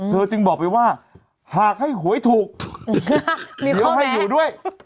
จึงบอกไปว่าหากให้หวยถูกเดี๋ยวให้อยู่ด้วย